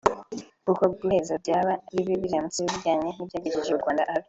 kuko guheza byaba bibi biramutse bijyanye n’ibyagejeje u Rwanda ahabi